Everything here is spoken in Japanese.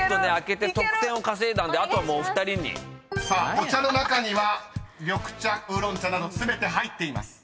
［「お茶」の中には緑茶烏龍茶など全て入っています。